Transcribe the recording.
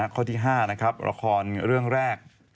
ข้อที่๕นะครับละครเรื่องแรก